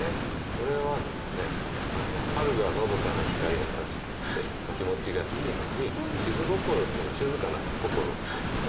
これはですね春がのどかな光がさしていて気持ちがいいのに「しづ心」っていうのは「静かな心」ですよね。